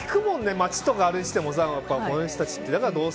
街とか歩いててもこの人たちって。